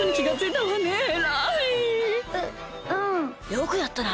よくやったな！